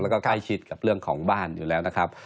แล้วก็ใกล้ชิดกับเรื่องของบ้านอยู่แล้วนะครับ